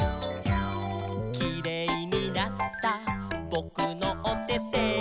「キレイになったぼくのおてて」